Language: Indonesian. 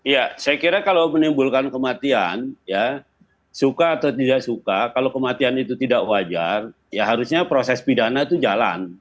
ya saya kira kalau menimbulkan kematian ya suka atau tidak suka kalau kematian itu tidak wajar ya harusnya proses pidana itu jalan